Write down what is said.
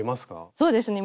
そうですね